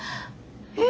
え？